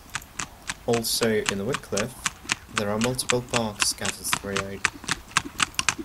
Also in Wickliffe, there are multiple parks scattered throughout.